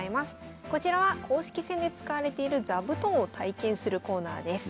こちらは公式戦で使われている座布団を体験するコーナーです。